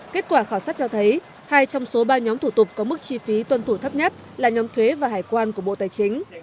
kết quả khảo sát cho thấy hai trong số ba nhóm thủ tục có mức chi phí tuân thủ thấp nhất là nhóm thuế và hải quan của bộ tài chính